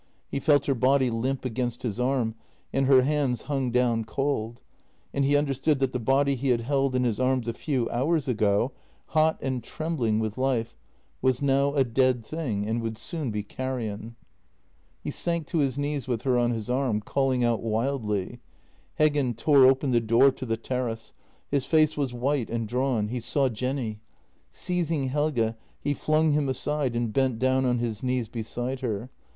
He felt her body limp against his arm and her hands hung down cold — and he understood that the body he had held in his arms a few hours ago, hot and trembling with life, was now a dead thing, and would soon be carrion. He sank to his knees with her on his arm, calling out wildly. Heggen tore open the door to the terrace. His face was white and drawn. He saw Jenny. Seizing Helge, he flung him aside and bent down on his knees beside her.